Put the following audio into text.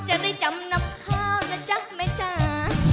จะได้จำนับคล่าน่าจัดไหมจ๋า